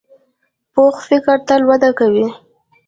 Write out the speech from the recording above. پوخ فکر تل وده کوي